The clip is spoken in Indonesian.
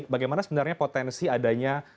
bagaimana sebenarnya potensi adanya